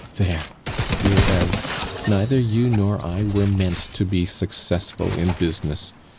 There! dear Eve, neither you nor I were meant to be successful in business.